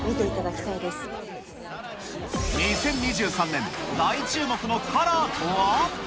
２０２３年、大注目のカラーとは。